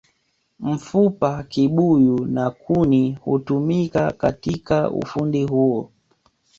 Mfupa kibuyu na kuni hutumika katika ufundi huo